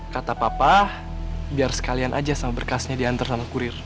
kata papa biar sekalian aja sama berkasnya diantar sama kurir